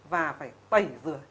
và phải tẩy rửa